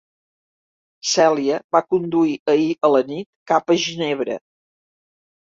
Celia va conduir ahir a la nit cap a Ginebra.